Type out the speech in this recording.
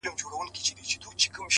سترگو کي باڼه له ياده وباسم ـ